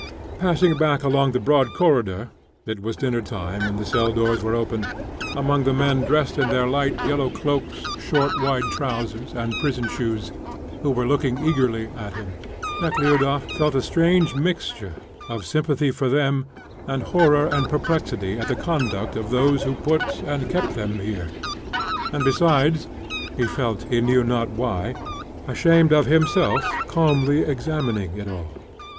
Passing back along the broad corridor (it was dinner time, and the cell doors were open), among the men dressed in their light yellow cloaks, short, wide trousers, and prison shoes, who were looking eagerly at him, Nekhludoff felt a strange mixture of sympathy for them, and horror and perplexity at the conduct of those who put and kept them here, and, besides, he felt, he knew not why, ashamed of himself calmly examining it all.